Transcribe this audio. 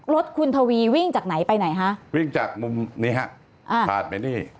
รถคุณทวีวิ่งจากไหนไปไหนฮะวิ่งจากมุมนี้ฮะอ่าผ่านไปนี่